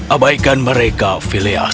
abaikan mereka phileas